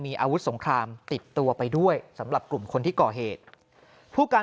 มีอาวุธสงครามติดตัวไปด้วยสำหรับกลุ่มคนที่ก่อเหตุผู้การ